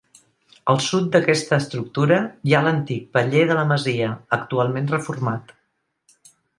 Al sud d'aquesta estructura hi ha l'antic paller de la masia, actualment reformat.